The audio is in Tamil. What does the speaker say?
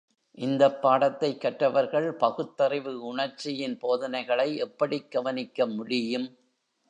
இந்தப் பாடத்தைக் கற்றவர்கள் பகுத்தறிவு உணர்ச்சியின் போதனைகளை எப்படிக் கவனிக்க முடியும்?